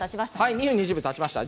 ２分２０秒、たちました。